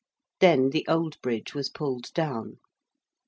Then the Old Bridge was pulled down.